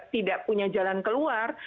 tidak punya jalan keluar